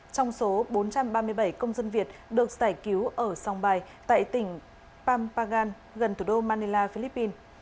trong số bốn trăm ba mươi bảy công dân việt được giải cứu ở song bài tại tỉnh pampagan gần thủ đô manila philippines